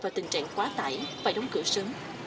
vào tình trạng quá tải phải đóng cửa sớm